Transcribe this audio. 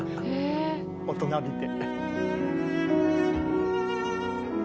大人びて。